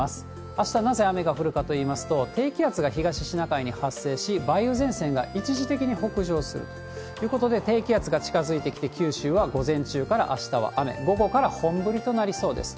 あした、なぜ雨が降るかといいますと、低気圧が東シナ海に発生し、梅雨前線が一時的に北上するということで、低気圧が近づいてきて、九州は午前中からあしたは雨、午後から本降りとなりそうです。